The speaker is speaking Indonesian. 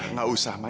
nggak usah ma